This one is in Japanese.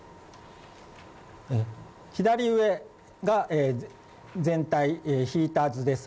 左上が全体、引いた図です。